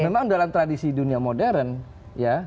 memang dalam tradisi dunia modern ya